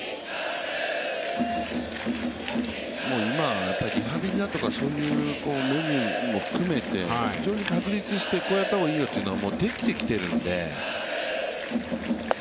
今、リハビリだとか、そういうメニューも含めて非常に確立してこうやったらいいよというのができてきているので。